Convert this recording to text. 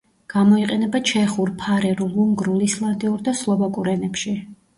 გამოიყენება ჩეხურ, ფარერულ, უნგრულ, ისლანდიურ და სლოვაკურ ენებში.